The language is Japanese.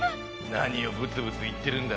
何をブツブツ言ってるんだ？